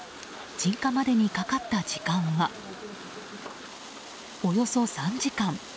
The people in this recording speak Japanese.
鎮火までにかかった時間はおよそ３時間。